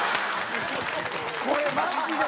これマジで。